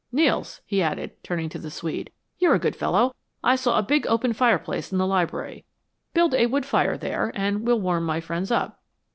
Nels," he added, turning to the Swede; "you're a good fellow. I saw a big, open fireplace in the library. Build a wood fire there and we'll warm my friends up."